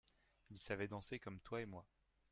Ils savaient danser comme toi et moi.